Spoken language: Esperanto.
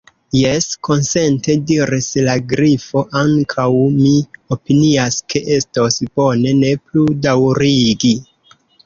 "Jes," konsente diris la Grifo, "ankaŭ mi opinias ke estos bone ne plu daŭrigi."